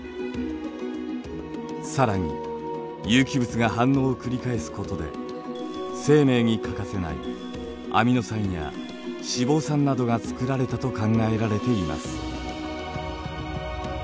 更に有機物が反応を繰り返すことで生命に欠かせないアミノ酸や脂肪酸などがつくられたと考えられています。